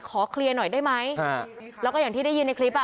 ขอเคลียร์หน่อยได้ไหมแล้วก็อย่างที่ได้ยินในคลิปอ่ะ